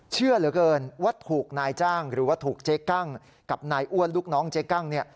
เชื่อเหลือเกินว่าถูกนายจ้างหรือว่าถูกเจ๊กั้งกับนายอ้วนลูกน้องเจ๊กั้งเนี่ย